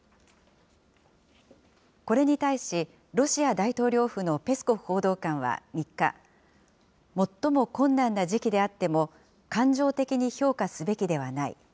これに対し、ロシア大統領府のペスコフ報道官は３日、最も困難な時期であっても、感情的に評価すべきではない。